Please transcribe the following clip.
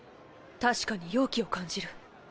確かに妖気を感じる。